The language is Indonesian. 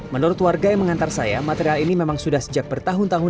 menurut warga yang mengantar saya material ini memang sudah sejak bertahun tahun